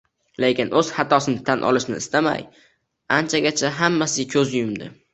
Lekin xatosini tan olishni istamay, anchagacha hammasiga ko`z yumdi